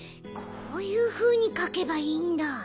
こういうふうにかけばいいんだ。